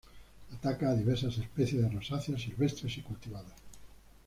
Ataca a diversas especies de rosáceas silvestres y cultivadas.